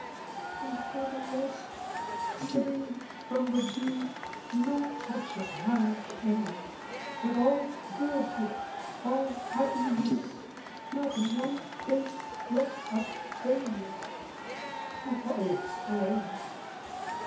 And, for the rest, say, from the deed, no touch Of harm came, but all good, all happiness, Not one faint fleck of failure! Why explain?